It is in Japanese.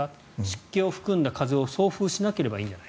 湿気を含んだ風を送風しなければいい。